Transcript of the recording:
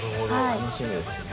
楽しみですね。